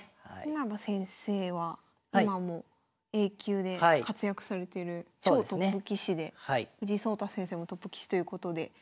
稲葉先生は今もＡ級で活躍されてる超トップ棋士で藤井聡太先生もトップ棋士ということで。